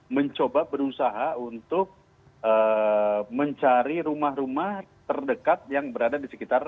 mencoba berusaha untuk mencari rumah rumah terdekat yang berada di sekitar